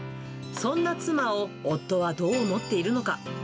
そんな妻を夫はどう思っているのか。